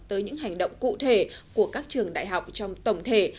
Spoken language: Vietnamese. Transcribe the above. tới những hành động cụ thể của các trường đại học trong tổng thể